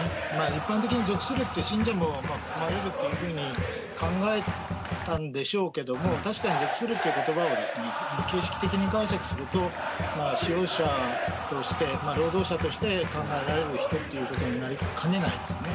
一般的に属するって、信者も含まれるというふうに考えたんでしょうけども、確かに属するということばは、形式的に解釈すると、使用者として、労働者として考えられる人ということになりかねないですね。